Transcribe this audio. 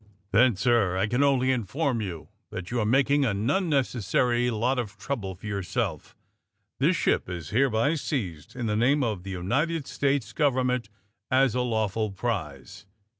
'' V^Then, sir, I can only inform you that you are making an unnecessary lot of trouble for yourself. This ship is hereby seized, in the name of the United States government, as a law ful prize!"